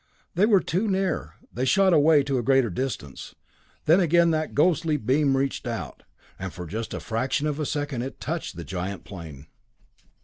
They were too near; they shot away to a greater distance then again that ghostly beam reached out and for just a fraction of a second it touched the giant plane.